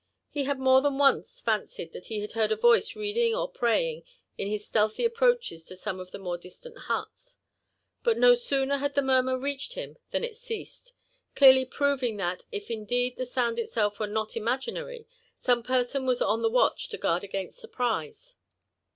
He had more than once fancied that he had heard a voice' reading or praying in his stealthy approaches to some of the more distant huts ; but no sooner had the murmur reached him than it ceased,— <;learly proving that, if indeed the sound itself were not imaginary, some person was on the watch to guard against surprise.